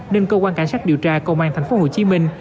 nên cơ quan cảnh sát điều tra công an thành phố hồ chí minh